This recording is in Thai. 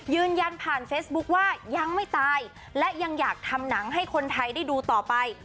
ยืนยันผ่านเฟซบุ๊คว่ายังไม่ตายและยังอยากทำหนังให้คนไทยได้ดูต่อไป